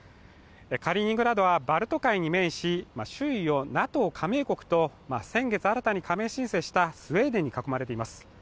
カリーニングラードはバルト海に面し周囲をＮＡＴＯ加盟国と先月新たに加盟申請をしたスウェーデンに囲まれています。